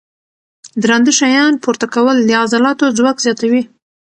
درانده شیان پورته کول د عضلاتو ځواک زیاتوي.